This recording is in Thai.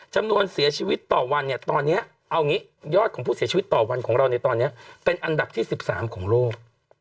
จำนวนเสียชีวิตต่อวันเนี่ยตอนนี้เอางี้ยอดของผู้เสียชีวิตต่อวันของเราในตอนนี้เป็นอันดับที่๑๓ของโลก